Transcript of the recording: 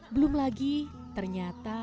belum lagi ternyata